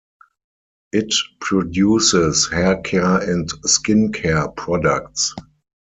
It produces hair care and skin care products.